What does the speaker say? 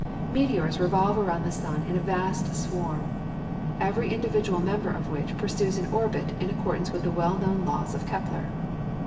Meteors revolve around the sun in a vast swarm, every individual member of which pursues an orbit in accordance with the well known laws of Kepler.